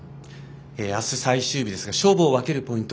明日、最終日ですが勝負を分けるポイント